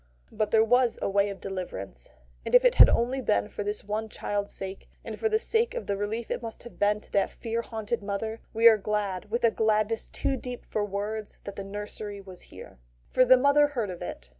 But there was a way of deliverance, and if it had only been for this one child's sake, and for the sake of the relief it must have been to that fear haunted mother, we are glad with a gladness too deep for words that the nursery was here. For the mother heard of it.